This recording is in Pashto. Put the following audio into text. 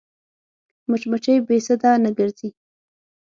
مچمچۍ بې سده نه ګرځي